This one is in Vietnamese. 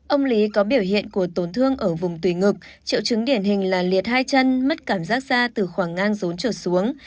ông lý có biểu hiện của tổn thương ở vùng tùy ngực triệu chứng điển hình là liệt hai chân mất cảm giác da từ khoảng ngang rốn trượt xuống